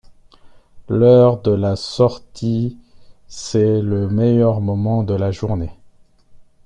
L'heure de la sortie c'est le meilleur moment de la journée.